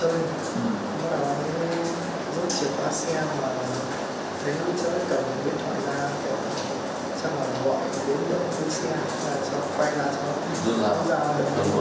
quay lại cho dương giao